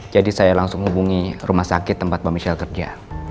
jadi saya langsung hubungi rumah sakit tempat mbak michelle kerja